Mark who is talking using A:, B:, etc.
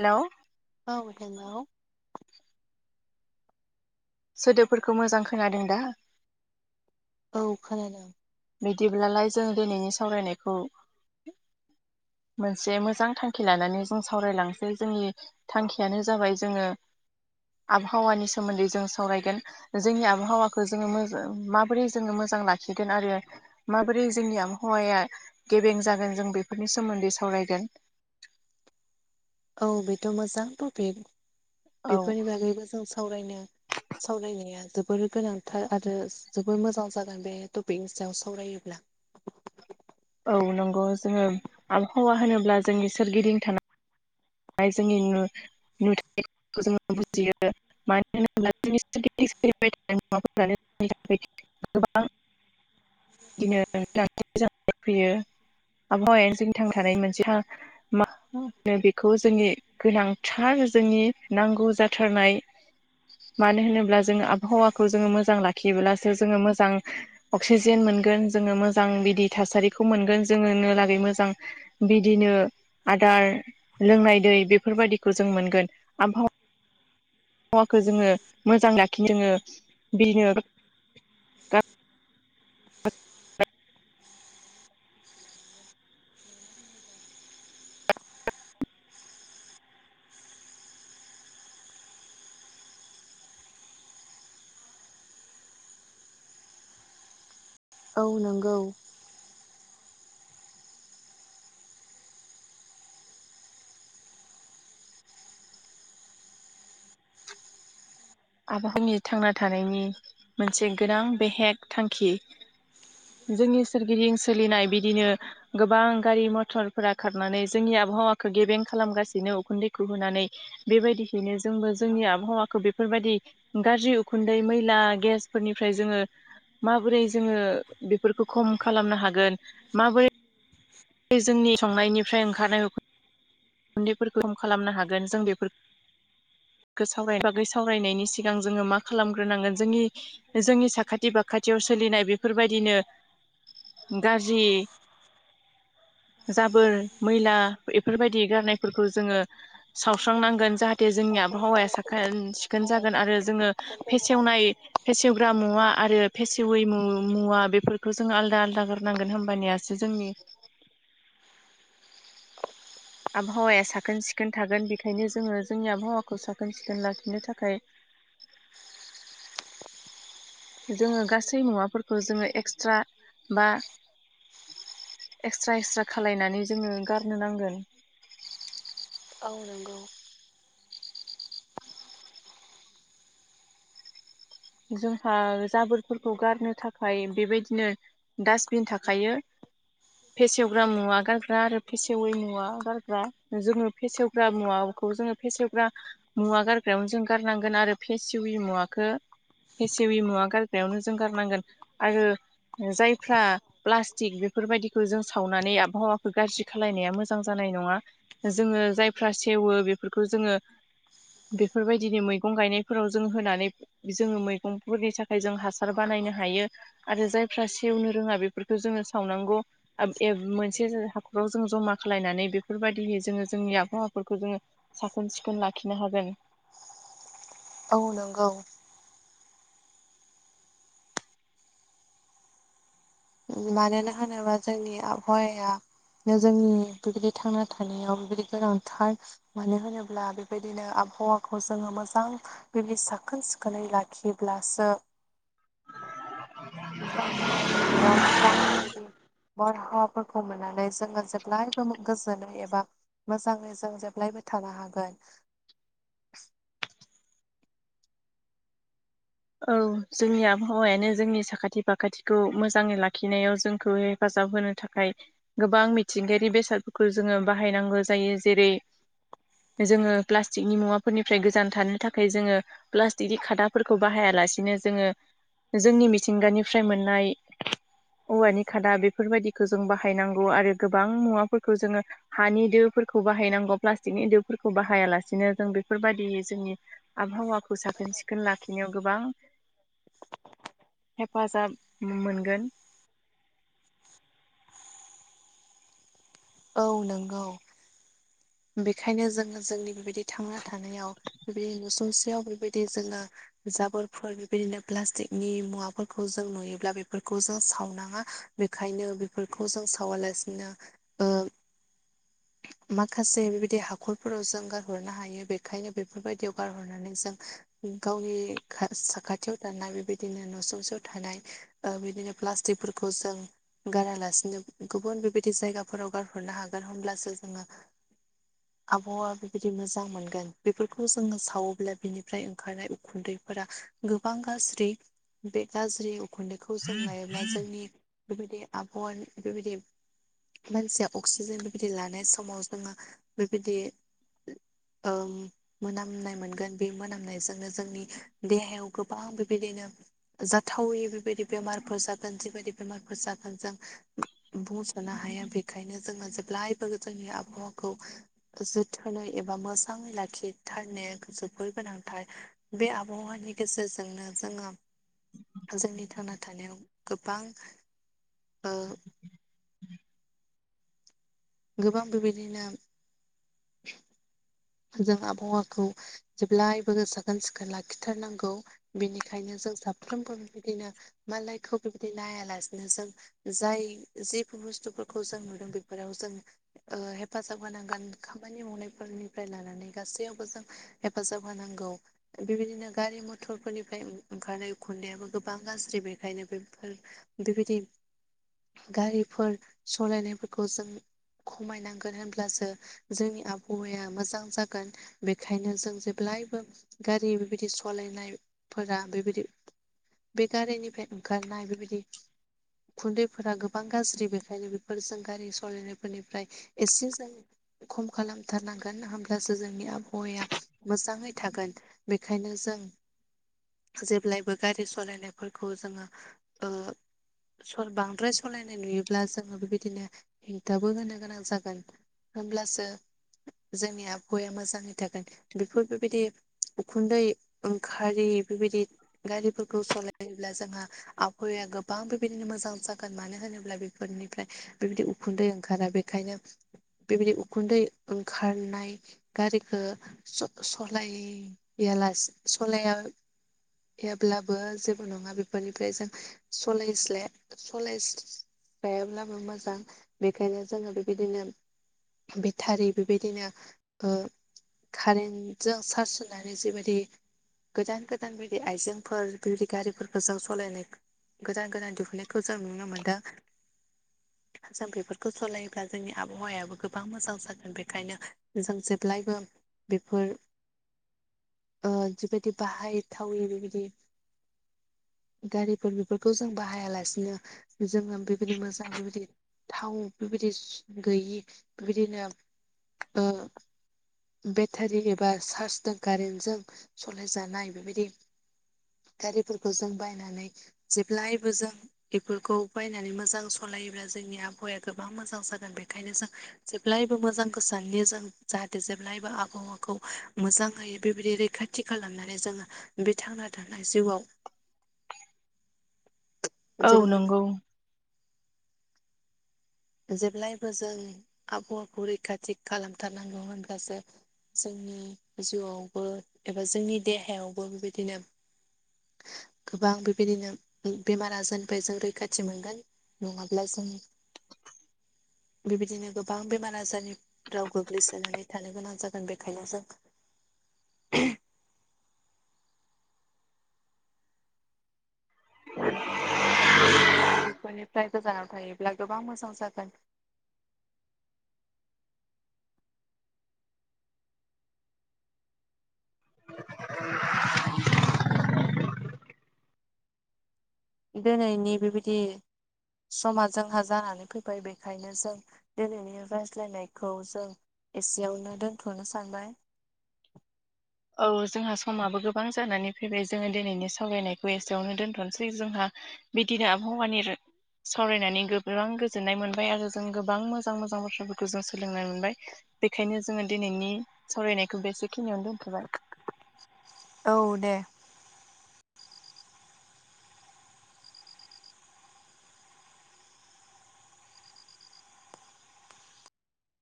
A: Hello.
B: औ नोंगौ।
A: सोदोबफोरखौ मोजां खोनादों दा?
B: औ खोनादों।
A: बिदिब्लालाय जों दिनैनि सावरायनायखौ। मोनसे मोजां थांखि लानानै जों सावरायलांनोसै जोंनि थांखियानो जाबाय जोङो। आबहावानि सोमोन्दै जों सावरायगोन जोंनि आबहावाखौ जोङो मोजां माबोरै जोङो मोज मोजां लाखिगोन आरो। माबोरै जोंनि आबहावाया गेबें जागोन जों बेफोरनि सोमोन्दै सावरायगोन। [inaudible]
B: औ बेथ' मोजां टपिक
A: औ
B: बेफोरनि बागैबो जों सावरायनो सावरायनाया जोबोर गोनांथार आरो जोबोर मोजां जागोन बे टपिकनि सायाव सावरायोब्ला
A: [inaudible] हौवा होनोब्ला जोंनि सोरगिदिं थानांग जोंनि नु जो बुजियो मानो होनोब्ला जों [unintelligible] [unintelligible] आबहावायानो जोंनि थां थानायनि मोनसे हा मा होनो बे खौ जोंनि गोनांथार जोंनि नांगौ जाथारनाय मानो होनोब्ला जोङो आबहावाखौ जोङो मोजां लाखियोब्लासो जोङो मोजां अक्सिजेन मोन मोन गोन जोंङो मोजां बिदि थासारिखौ मोनगोन जोङो मोजां बिदि थासारिखौ मोनगोन। आदार लोंनाय दै बेफोरबायदिखौ जों मोनगोन आबहावा वाखौ जोङो मोजां लाखिदोङो बिनो [unintelligible]
B: औ नोंगौ।
A: आबहावानि थांना थानायनि मोनसे गोनां बेहेक थांखि। जोंनि सोरगिदिं सोलिनाय बिदिनो गोबां गारि मथरफोरा खारनानै जोंनिया आबहावाखौ गेबें खालामगासिनो उखुन्दैखौ होनानै बेबायदिहैनो जोंबो जोंनि आबहावाखौ बेब बेफोरबायदि गाज्रि उखुन्दै मैला गेसफोरनिफ्राय जोङो माबोरै जोङो बेफोरखौ खम खालामनो हागोन माबोरै जोंनि संनायनिफ्राय ओंखारनाय उन्दैफोरखौ हम खालामनो हागोन जों बेफोर बागै सावरायनायनि सिगां जोङो मा खालामग्रोनांगोन जोंनि जोंनि साखाथि बाखाथियाव सोलिनाय बेफोरबायदिनो गाज्रि जाबोर मैला बेफोरबायदि गारनायफोरखौ जोङो सावस्रांनांगोन। जाहाथे जोंनि आबहावाया साखोन सिखोन जागोन आरो जोङो फेसेवनाय फेसेवग्रा मुवा मा आरो फेसेवै मुवा बेफोरखौ जोङो आलदा आलदा गारनांगोन होमबानियासो जोंनि आबहावाया साखोन सिखोन थागोन बेखायनो जोङो जोंनि आबहावाखौ साखोन सिखोन लाखिनो थाखाय [inaudible] जोङो गासै मुवाफोरखौ जोङो एक्सट्रा बा एक्सट्रा एक्सट्रा खालायनानै जोङो गारनो नांगोन।
B: औ नंगौ
A: जोंहा जाबोरफोरखौ गारनो थाखाय बेबायदिनो डास्टबिन थाखायो। फेसेवग्रा मुवा गारग्रा आरो फेसेवै मुवा गारग्रा जोङो फेसेवग्रा मुवा खौ जोङो फेसेवग्रा मुवा गारग्रायावनो जों गारनांगोन आरो फेसिवि मुवाखौ हेसेवि मुवा गारग्रायावनो जों गारनांगोन आरो जायफ्रा प्लास्टिक बेफोरबायदिखौ जों सावनानै आबहावाखौ गाज्रि खालायनाया मोजां जानाय नाय नङा जोङो जायफ्रा सेवो बेफोरखौ जोङो बेफोरबायदिनो मैगं गायनायफोराव जों होनानै जोङो मैगंफोरनि थाखाय जों हासार बानायनो हायो आरो जायफ्रा सेवनो रोङा बेफोरखौ जोङो सावनांगौ [unintelligible] मोनसे राव जों जमा खालामायनानै बेफोरबायदियै जोङो जोंनि आबहावाफोरखौ जोङो साखोन सिखोन लाखिनो हागोन। [inaudible]
B: औ नंगौ मानोना होनोबा जोंनि आबहावाया जोंनि बेबायदि थांना थानायाव बेबायदि गोनांथार मानो होनोब्ला बेबायदिनो आब हावाखौ जोङो मोजां बेदि साखोन सिखोनै लाखिब्लासो [unintelligible] बारहावाफोरखौ मोननानै जोङो जेब्लायबो गोजोनो एबा मोजाङै जों जेब्लायबो थानो हागोन।
A: औ जोंनि आबहावायानो जोंनि साखाथि फाखाथिखौ मोजाङै लाखिनायाव जोंखौ हेफाजा जाब होनो थाखाय गोबां मिथिंगायारि बेसादफोरखौ जोङो बाहायनांगौ जायो। जेरै जोङो प्लास्टिकनि मुवाफोरनिफ्राय गोजान थानो थाखाय जोङो प्लास्टिकनि खादाफोरखौ बाहायालासिनो जोङो जोंनि मिथिंगानिफ्राय मोननाय औवानि खादा बेफोरबायदिखो जों बाहायनांगौ आरो गोबां मुवाफोरखौ जोङो हानि दो फो फोरखौ बाहायनांगौ प्लासथिकनि दो फोरखौ बाहायालासिनो जों बेफोरबायदि जोंनि आबहावाखौ साखो खोन सिखोन लाखिनायाव गोबां हेफाजाब मोनगोन।
B: औ नोंगौ। बिखायनो जोङो जोंनि बेबायदि थांना थानायाव बेबायदि नुसुंसेयाव बेबायदि जोङो जाबोरफोर बेबायदिनो प्लास्टिकनि मुवाफोरखौ जों नुयोब्ला बेफोरखौ जों सावनाङा। बेखायनो बेफोरखौ जों सावालासिनो ओ
A: [inaudible]
B: माखासे बेबायदि हाखरफोराव जों गारहरनो हायो बेखायनो बेफोरबायदियाव गारहरनानै जों गावनि खा साखाथियाव थानाय बेबायदिनो नुसुंसेयाव थानाय ओ बिदिनो प्लास्टिकफो फोरखौ जों गारालासिनो गुबुन बेबायदि जायगाफोराव गारहरनो हागोन होमब्लास सो जोङो आबहावा बेबायदि मोजां मोनगोन बेफोरखौ जोङो सावोब्ला बिनिफ्राय ओंखारनाय उखुन्दै फोरा गोबां गाज्रि बे गाज्रि उखुन्दैखौ जों लायोब्ला जोंनि बेबायदि आबहावानि बेबायदि मानसिया अक्सिजेन बेबि दि लानाय समाव जोङो बेबिदि
A: [inaudible]
B: ओं मोनामनाय मोनगोन बे मोनामनाय जोंनो जोंनि देहायाव गोबां बेबायदिनो जाथावै बेबायदि बेमारफोर जागोन जिबायदि बेमारफोर जागोन जों बुंस'नो हाया। बेखायनो जोङो जेब्लाय जोङो जोंनि आबहावाखौ जोथोनै एबा मोजांङै लाखिथारनाया जोबोर गोनांथार। बे आबहावानि गेजेरजोंनो जोङो
A: [inaudible]
B: जोंनि थांना थानायाव गोबां ओ गोबां बेबायदिनो जों आबहावाखौ जेब्लायबो साखोन सिखोन लाखिथारनांगौ बिनिखायनो जों साफ्रोमबो बेबायदिनो मालायखौ बेबायदि नायालानो जों जाय जेफु बुस्थुफोरखौ जों नुदों बेफोराव जों ओ हेफाजाब होनांगोन। खामानि मावनायफोरनि फ्राय लानानै गासैयावबो जों हेफाजाब होनांगौ। बेबायदिनो गारि मथरफोरनिफ्राय ओं ओंखारनाय उखुन्दैयाबो गोबां गाज्रि बेखायनो बेफोर बेबिदि गारिफोर सलायनायफोरखौ जों खमायनांगोन होनब्लासो जोंनि आबहावाया मोजां जागोन बेखायनो जों जेब्लायबो गारि बेबायदि सालायनायफोरा बेबिदि बे गारिनिफ्राय ओंखारनाय बेबिदि खुन्दैफोरा गोबां गाज्रि बेखायनो बेफोरजों गारि सालायनायफोरनिफ्राय एसे जों खम खालाम थारनांगो गोन होमब्लासो जोंनि आबहावाया मोजाङै थागोन। बेखायनो जों जेब्लायबो गारि सलायनाय फोरखौ जोङो ओ सर बांद्राय सलायनाय नुयोब्ला जोङो बेबायदिनो हेंथाबो होनो गोनां जागोन। होनब्लासो जोंनि आबहावाया मोजांङै थागोन बेफोर बेबिदि उखुन्दै ओंखारि बेबिदि गारिफोरखौ सलायोब्ला जोंहा आबहावाया गोबां बेबायदिनो मोजां जागोन मानो होनोब्ला बेफोरनिफ्राय बेबिदि उखुन्दै ओंखारा। बेखायनो बेबायदि उखुन्दै ओं खारनाय गारिखौ स-सलायालासे सलाया याब्लाबो जेबो नङा बेफोरनिफ्राय जों सलायस्लाया सलायस जायाब्लाबो मोजां बेखायनो जोंङो बेबायदिनो बिटारि बेबायदिनो ओ कारेन्टजों चार्ज होनानै जिबायदि गोदान गोदान बिदि आइजेंफोर बिबायदि गारिफोरखौ जों सालायनाय गोदान गोदान दिहुननायखौ जों नुनो मोनदों जों बेफोरखौ सलायोब्ला जोंनि आबहावायाबो गोबां मोजां जागोन बे ओंखायनो जों जेब्लायबो बेफोर ओ जिबायदि बाहायथावै बेबायदि गारिफोर बेफोरखौ जों बाहायालासिनो जोंङो बेबायदि मोजां बेबायदि थाव बेबायदि गैयि बेबायदिनो ओ बेटारि एबा चार्जजों कारेन्टजों सालायजानाय बेबायदि गारिफोरखौ जों बायनानै जेब्लायबो जों बेफोरखौ बायनानै मोजां सल लायोब्ला जोंनि आबहावाया गोबां मोजां जागोन बेनिखायनो जों जेब्लायबो मोजांखौ सान जों जाथ जेब्लायबो आबहावाखौ मोजांहै बेबायदि रैखाथि खालामनानै जोंङो बे थांना था जिउआव
A: [inaudible] औ
B: जेब्लायबो
A: नंगौ
B: जेब्लायबो जों आबहावाखौ रैखाथि खालामथारनांगौ होनब्लासो जोंनि जिउआवबो एबा जोंनि देहायावबो बेबायदिनो गोबां बेबायदिनो बेमार आजारनिफ्रायबाय जों रैखाथि मोनगोन नंङाब्ला जों
A: [inaudible]
B: बेबायदिनो गोबां बेमार आजारनि राव गोग्लैसोनानै थानो गोनां जागोन बेखायनो जों
A: [unintelligible] [inaudible]
B: बेफोरनिफ्राय गोजानाव थायोब्ला गोबां मोजां जागोन
A: [inaudible]
B: दोनैनि बेबायदि समा जोंहा जानानै फैबाय बेखायनो जों दिनैनि रायज्लायनायखौ जों एसेयावनो दोनथ'नो सानबाय
A: [inaudible] औ जोंहा समाबो गोबां जानानै फैबाय जोङो दिनैनि सावरायनायखौ एसेयावनो दोनथ'नोसै जोंहा बिदिनो आबहावानि सावरायनानै गोबां गोजोननाय मोनबाय आरो जों गोबां मोजां मोजां बाथ्राफोरखौ जों सोलोंनो मोनबाय बेखायनो जोङो दिनैनि सावरायनायखौबो एसेखिनियावनो दोनथ'बाय
B: औ दे